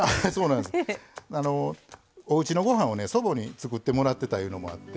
おうちのご飯を祖母に作ってもらってたいうのもあって。